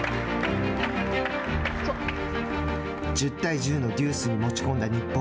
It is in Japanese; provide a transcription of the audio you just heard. １０対１０のデュースに持ち込んだ日本。